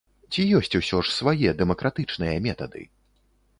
Ці ёсць усё ж свае дэмакратычныя метады?